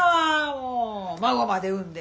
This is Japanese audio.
もう孫まで生んで。